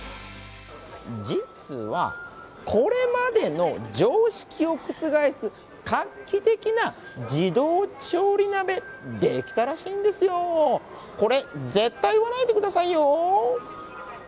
実は、これまでの常識を覆す画期的な自動調理鍋、出来たらしいんですよ、これ、絶対言わないでくださいよ。